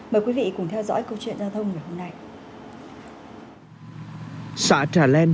mời quý vị cùng theo dõi câu chuyện giao thông ngày hôm nay